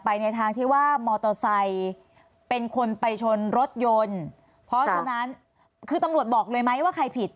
ในทางที่ว่ามอเตอร์ไซค์เป็นคนไปชนรถยนต์เพราะฉะนั้นคือตำรวจบอกเลยไหมว่าใครผิด